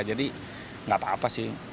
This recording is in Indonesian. jadi nggak apa apa sih